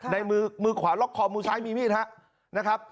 ในมือขวาล็อคคอมมือซ้ายมีมีดครับ